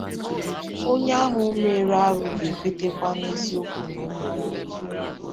Onye ahụ mere arụ ga-ekwetekwa n'eziokwu na o mere arụ